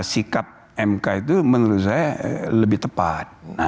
sikap mk itu menurut saya lebih tepat